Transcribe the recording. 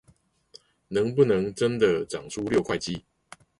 能不能真的長出六塊肌